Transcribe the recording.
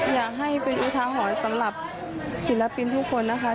อยากให้เป็นอุทาหรณ์สำหรับศิลปินทุกคนนะคะ